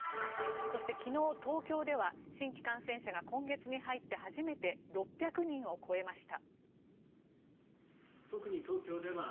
そして、昨日東京では新規感染者が今月に入って初めて６００人を超えました。